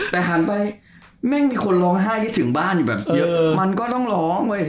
แต่หันไปแม่งมีคนร้องไห้คิดถึงบ้านอยู่แบบเยอะมันก็ต้องร้องเว้ย